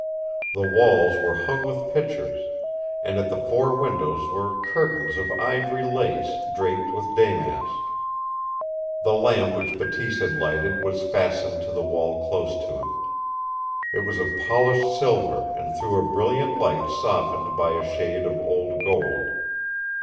The walls were hung with pictures, and at the four windows were curtains of ivory lace draped with damask. The lamp which Bateese had lighted was fastened to the wall close to him. It was of polished silver and threw a brilliant light softened by a shade of old gold.